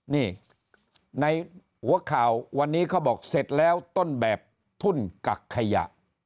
นี่ในหัวข่าววันนี้เขาบอกเสร็จแล้วต้นแบบทุ่นกักขยะ